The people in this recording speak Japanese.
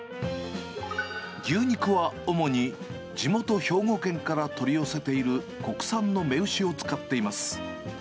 牛肉は主に地元、兵庫県から取り寄せている国産の雌牛を使っています。